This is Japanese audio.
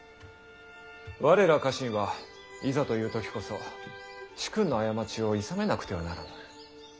我ら家臣はいざという時こそ主君の過ちをいさめなくてはならぬ。